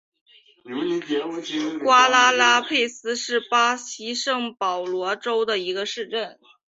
瓜拉拉佩斯是巴西圣保罗州的一个市镇。